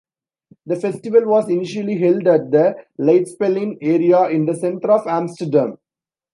The festival was initially held at the Leidseplein area in the centre of Amsterdam.